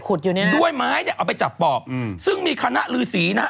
ขุดอยู่เนี่ยนะด้วยไม้เนี่ยเอาไปจับปอบซึ่งมีคณะฤทธิ์นะฮะ